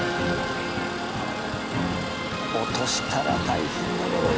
落としたら大変だこれ。